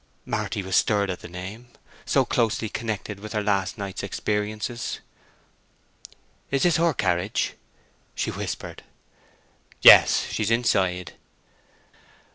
Marty was stirred at the name, so closely connected with her last night's experiences. "Is this her carriage?" she whispered. "Yes; she's inside."